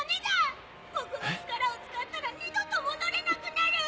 僕の力を使ったら二度と戻れなくなる！